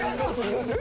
どうする？